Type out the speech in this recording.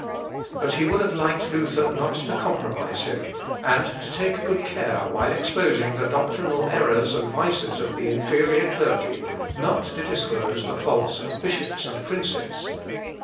But he would have liked Luther not to compromise him, and to take good care while exposing the doctrinal errors and vices of the inferior clergy, not to disclose the faults of bishops and princes.